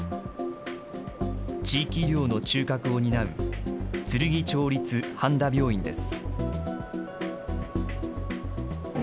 地域医療の中核を担う、つるぎ町立半田病院です。